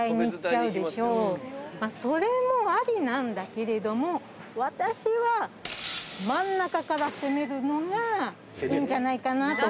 それもありなんだけれども私は真ん中から攻めるのがいいんじゃないかなと思ってます。